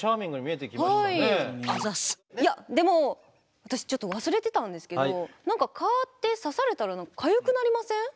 私ちょっと忘れてたんですけど何か蚊って刺されたらかゆくなりません？